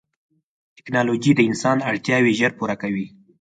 ټکنالوجي د انسان اړتیاوې ژر پوره کوي.